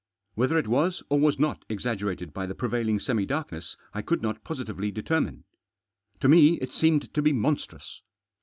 Whether it was or was not exaggerated by the prevailing semi darkness I could not positively determine. To me it seemed to be monstrous.